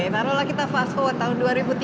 taruhlah kita fast forward tahun dua ribu tiga puluh